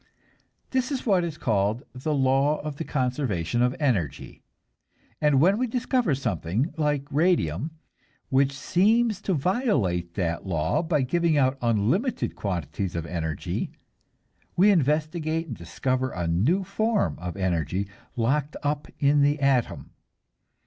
This is what is called the law of the conservation of energy, and when we discover something like radium which seems to violate that law by giving out unlimited quantities of energy, we investigate and discover a new form of energy locked up in the atom.